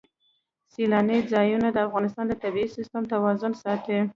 سیلانی ځایونه د افغانستان د طبعي سیسټم توازن ساتي.